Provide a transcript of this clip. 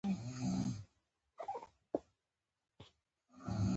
باران خوږ دی.